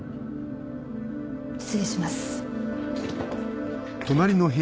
失礼します。